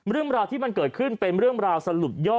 เรื่องราวที่มันเกิดขึ้นเป็นเรื่องราวสลุดย่อ